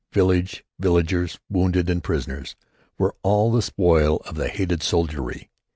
Village, villagers, wounded and prisoners were all the spoil of the hated soldiery.